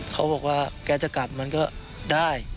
เขาบอกว่าแกจะกลับมันก็ได้